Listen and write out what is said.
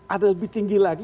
ada lebih tinggi lagi